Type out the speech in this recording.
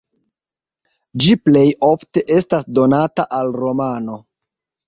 Ĝi plej ofte estas donata al romano.